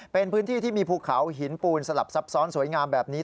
เป็นพื้นที่ที่มีภูเขาหินปูนสลับซับซ้อนสวยงามแบบนี้